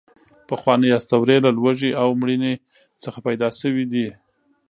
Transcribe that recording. پخوانۍ اسطورې له لوږې او مړینې څخه پیدا شوې دي.